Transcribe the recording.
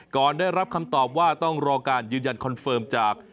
ก่อนได้รับคำตอบว่าต้องรอการยืนยันคอนเฟิร์มจาก